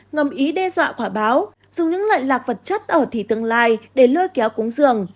ngầm ý đe dọa quả báo dùng những lợi lạc vật chất ở thí tương lai để lôi kéo cúng dường